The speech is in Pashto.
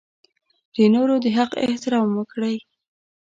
د نورو د حق احترام وکړئ.